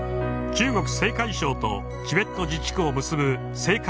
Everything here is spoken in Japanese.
中国・青海省とチベット自治区を結ぶ青海